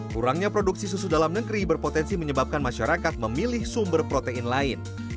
kurangnya produksi susu dalam negeri berpotensi menyebabkan masyarakat memilih sumber protein lain